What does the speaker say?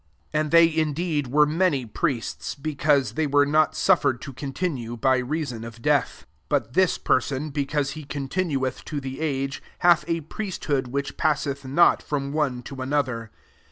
23 And they indeed were many priests, because they were not suffered to continue, by rea son of death: 24 but this per son, because he continuetfa to the age, hath a priesthood which passeth not from one to anotter.